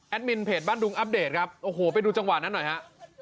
มินเพจบ้านดุงอัปเดตครับโอ้โหไปดูจังหวะนั้นหน่อยฮะ